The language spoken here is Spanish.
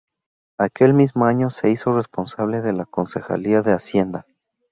Aquel mismo año se hizo responsable de la concejalía de Hacienda.